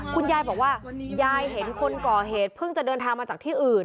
คุณยายบอกว่ายายเห็นคนก่อเหตุเพิ่งจะเดินทางมาจากที่อื่น